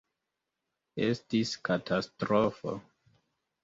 Estis katastrofo.